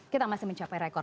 kita masih mencapai rekor